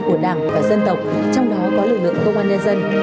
của đảng và dân tộc trong đó có lực lượng công an nhân dân